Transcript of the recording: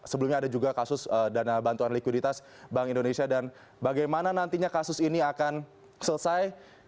sebelumnya ada juga kasus dana bantuan likuiditas bank indonesia dan bagaimana nantinya kasus ini akan selesai